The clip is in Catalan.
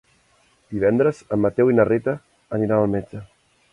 Divendres en Mateu i na Rita aniran al metge.